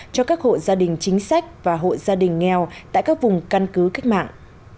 cho các hộ gia đình chính sách và hộ gia đình nghèo tại các vùng căn cứ cách mạng